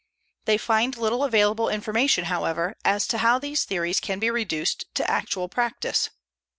They find little available information, however, as to how these theories can be reduced to actual practice.